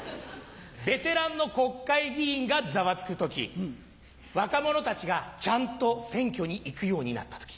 ベテランの国会議員がざわつく時若者たちがちゃんと選挙に行くようになった時。